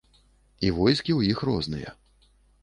І войскі ў іх розныя.